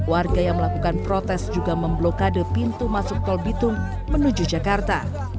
warga yang melakukan protes juga memblokade pintu masuk tol bitung menuju jakarta